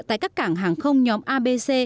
tại các cảng hàng không nhóm a b c